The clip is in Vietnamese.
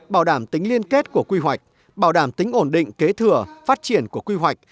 bảo đảm tính liên kết của quy hoạch bảo đảm tính ổn định kế thừa phát triển của quy hoạch